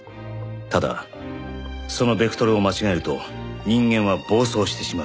ただそのベクトルを間違えると人間は暴走してしまう。